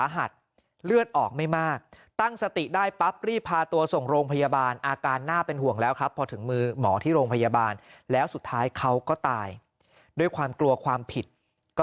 หมอที่โรงพยาบาลแล้วสุดท้ายเขาก็ตายด้วยความกลัวความผิดก็